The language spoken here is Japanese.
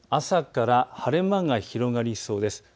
朝から晴れ間が広がりそうです。